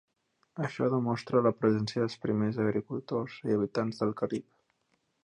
Això demostra la presència dels primers agricultors i habitants del Carib.